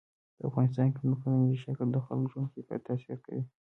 په افغانستان کې ځمکنی شکل د خلکو د ژوند کیفیت تاثیر کوي.